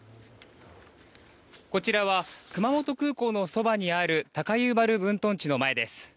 こちらは熊本空港のそばにある高遊原分屯地の前です。